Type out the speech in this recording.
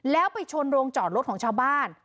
แล้วไปชนโรงจอดรถของชาวบ้าน